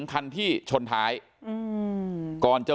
สวัสดีครับทุกคน